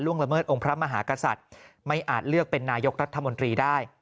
ละเมิดองค์พระมหากษัตริย์ไม่อาจเลือกเป็นนายกรัฐมนตรีได้